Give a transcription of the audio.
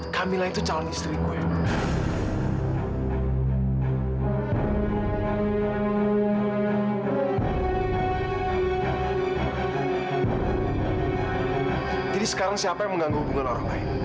camilla jadi sembuh